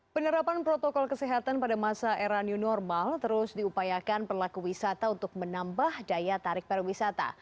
penerapan protokol kesehatan pada masa era new normal terus diupayakan pelaku wisata untuk menambah daya tarik pariwisata